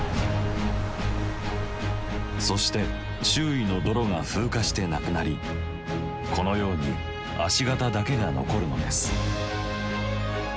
そして周囲の泥が風化してなくなりこのように足形だけが残るのです。